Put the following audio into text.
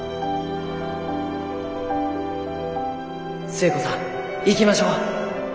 寿恵子さんいきましょう。